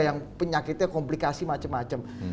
yang penyakitnya komplikasi macam macam